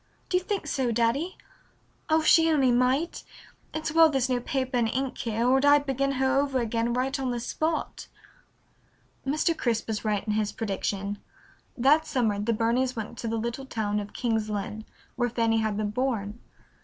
"Do you think so, Daddy? Oh, if she only might! It's well there's no paper and ink here or I'd begin her over again right on the spot." Mr. Crisp was right in his prediction. That summer the Burneys went to the little town of King's Lynn, where Fanny had been born.